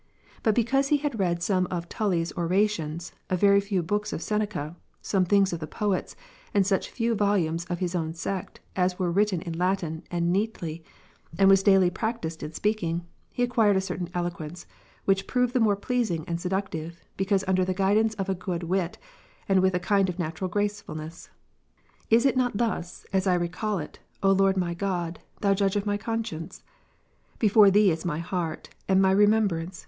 But because he had read some of Tully's Orations, a very few books of Seneca, some things of the poets, and such few volumes of his own sect, as were \\Titten in Latin and neatly, and was daily prac tised in speaking, he acquired a certain eloquence, which proved the more pleasing and seductive, because under the guidance of a good wit, and with a kind of natural graceful ness. Is it not thus, as I recall it, O Lord my God, Thou Judge of my conscience ? Before Thee is my heart and my remem brance.